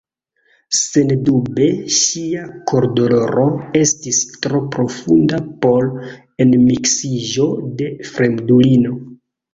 Sendube ŝia kordoloro estis tro profunda por enmiksiĝo de fremdulino.